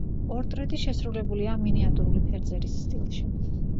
პორტრეტები შესრულებულია მინიატურული ფერწერის სტილში.